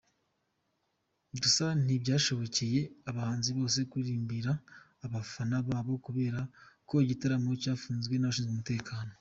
Gusa ntibyashobokeye abahanzi bose kuririmbira abafana babo kubera ko igitramo cyafunzwe n’abashinzwe umutekano.